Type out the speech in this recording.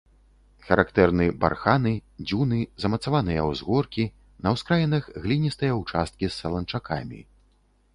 Характэрны барханы, дзюны, замацаваныя ўзгоркі, на ўскраінах гліністыя ўчасткі з саланчакамі.